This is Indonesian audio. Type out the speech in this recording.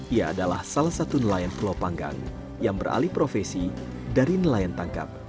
ia adalah salah satu nelayan pulau panggang yang beralih profesi dari nelayan tangkap